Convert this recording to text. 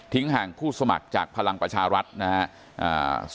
ทิ้งห่างผู้สมัครจากพลังประชารัฐนะฮะอ่า